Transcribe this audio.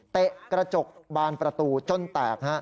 กระจกบานประตูจนแตก